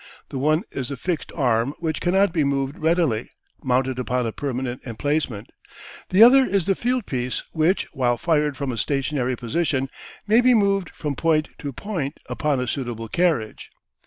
The one is the fixed arm which cannot be moved readily, mounted upon a permanent emplacement; the other is the field piece which, while fired from a stationary position, may be moved from point to point upon a suitable carriage.